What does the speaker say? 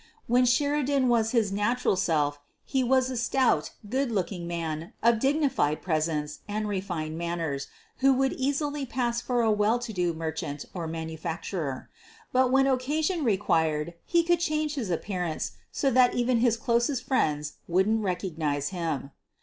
When Sheridan was his natural self he was a stout, good looking man of dignified presence and refined manners who would readily pass for a well to do merchant or manufacturer. But when occa sion required he could change his appearance so that even his closest friends wouldn't recognize him.